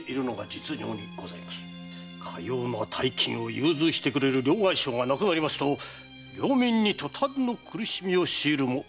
かような大金を融通してくれる両替商が無くなりますと領民に塗炭の苦しみを強いるも同然となりましょう。